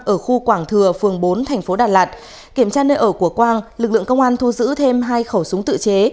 ở khu quảng thừa phường bốn thành phố đà lạt kiểm tra nơi ở của quang lực lượng công an thu giữ thêm hai khẩu súng tự chế